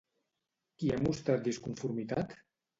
Qui ha mostrat disconformitat?